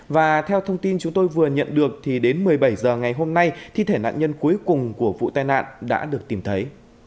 và theo thông tin chúng tôi vừa nhận được thì đến một mươi bảy h ngày hôm nay thi thể nạn nhân cuối cùng của vụ tai nạn đã được tìm thấy